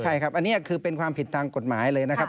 ใช่ครับอันนี้คือเป็นความผิดทางกฎหมายเลยนะครับ